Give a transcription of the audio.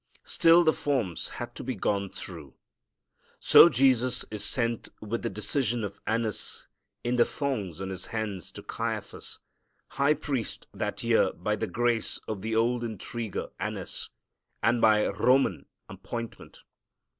Still the forms had to be gone through. So Jesus is sent with the decision of Annas in the thongs on His hands to Caiaphas, high priest that year by the grace of the old intriguer Annas, and by Roman appointment.